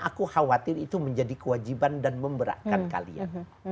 aku khawatir itu menjadi kewajiban dan memberatkan kalian